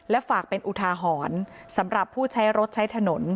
และฝากเป็นอุทาหรณ์สำหรับผู้ใช้รถใช้ถนน